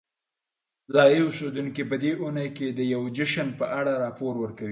ځایی اوسیدونکي په دې اونۍ کې د یوې جشن په اړه راپور ورکوي.